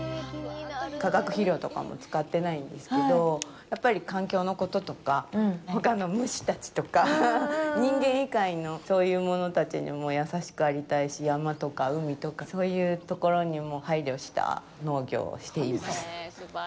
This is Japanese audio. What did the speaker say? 化学肥料とかも使ってないんですけどやっぱり環境のこととかほかの虫たちとか人間以外のそういうものたちにも優しくありたいし山とか海とか、そういうところにも配慮した農業をしています。